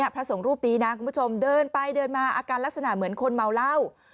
พระสงฆ์รูปนี้นะคุณผู้ชมเดินไปเดินมาอาการลักษณะเหมือนคนเมาเหล้า